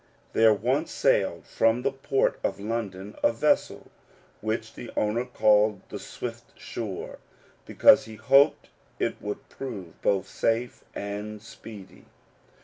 There once sailed from the port of London a vessel, which the owner called the Swift sure^ because he hoped it would prove both safe and speedy.